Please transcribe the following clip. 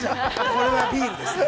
これはビールですね。